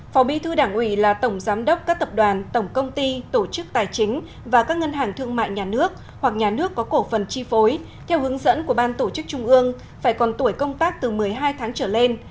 phó bí thư đảng ủy là tổng giám đốc các tập đoàn tổng công ty tổ chức tài chính và các ngân hàng thương mại nhà nước hoặc nhà nước có cổ phần chi phối theo hướng dẫn của ban tổ chức trung ương phải còn tuổi công tác từ một mươi hai tháng trở lên